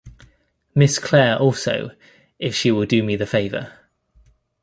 Miss Clare also, if she will do me the favour.